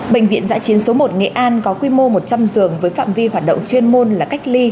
bệnh viện giã chiến số một nghệ an có quy mô một trăm linh giường với phạm vi hoạt động chuyên môn là cách ly